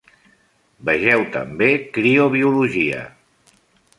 Vegeu també Criobiologia.